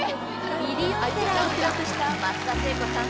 ミリオンセラーを記録した松田聖子さん